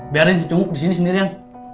biarin si cungguk di sini sendirian